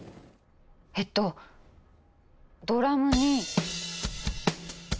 えっとドラムに。